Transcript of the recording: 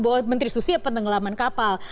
bahwa menteri susi penenggelaman kapal